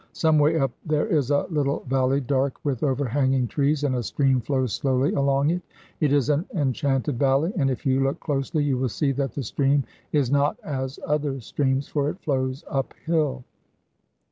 Some way up there is a little valley dark with overhanging trees, and a stream flows slowly along it. It is an enchanted valley, and if you look closely you will see that the stream is not as other streams, for it flows uphill.